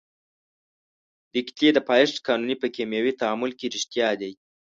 د کتلې د پایښت قانون په کیمیاوي تعامل کې ریښتیا دی.